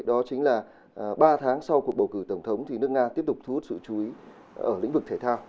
đó chính là ba tháng sau cuộc bầu cử tổng thống thì nước nga tiếp tục thu hút sự chú ý ở lĩnh vực thể thao